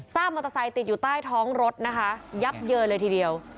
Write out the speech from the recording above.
มอเตอร์ไซค์ติดอยู่ใต้ท้องรถนะคะยับเยินเลยทีเดียว